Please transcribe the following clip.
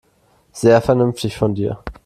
Sehr vernünftig von dir.